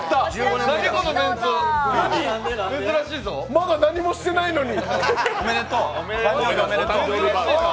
まだ何もしてないのに。